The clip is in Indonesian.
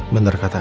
bener kata nino